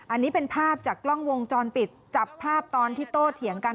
อันนี้เป็นภาพจากกล้องวงจรปิดจับภาพตอนที่โตเถียงกัน